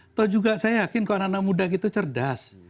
atau juga saya yakin kalau anak anak muda gitu cerdas